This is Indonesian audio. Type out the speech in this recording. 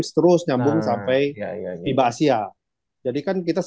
itu kenapa lari lari nggak